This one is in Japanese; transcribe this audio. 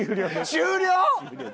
終了！？